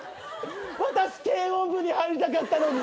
私軽音部に入りたかったのに。